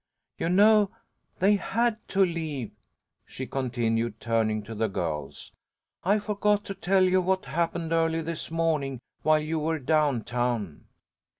You know they had to leave," she continued, turning to the girls. "I forgot to tell you what happened early this morning while you were down town.